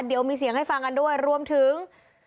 เดี๋ยวมีเสียงให้ฟังกันด้วยรวมถึง